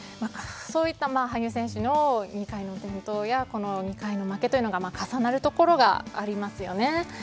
そういった羽生選手の２回の転倒やこの２回の負けというのが重なるところがありますよね。